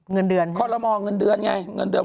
เงินเดือนทุกคนเลยเหรอคอลโมเงินเดือนไง